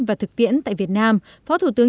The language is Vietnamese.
và thực tiễn tại việt nam phó thủ tướng